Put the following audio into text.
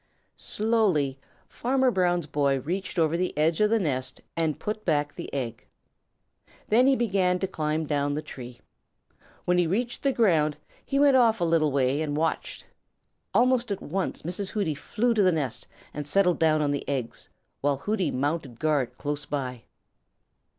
Slowly Farmer Brown's boy reached over the edge of the nest and put back the egg. Then he began to climb down the tree. When he reached the ground he went off a little way and watched. Almost at once Mrs. Hooty flew to the nest and settled down on the eggs, while Hooty mounted guard close by.